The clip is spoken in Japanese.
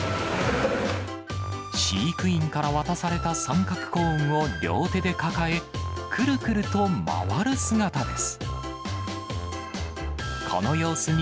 飼育員から渡された三角コーンを両手で抱え、くるくると回る姿です。